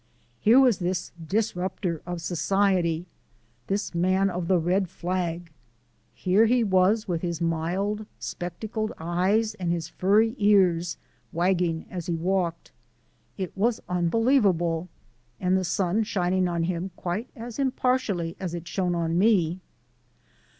Here was this disrupter of society, this man of the red flag here he was with his mild spectacled eyes and his furry ears wagging as he walked. It was unbelievable! and the sun shining on him quite as impartially as it shone on me.